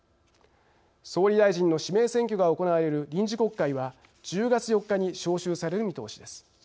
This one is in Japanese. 総理大臣の指名選挙が行われる臨時国会は１０月４日に召集される見通しです。